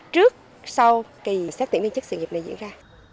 trước sau kỳ xét tuyển viên chức sự nghiệp này diễn ra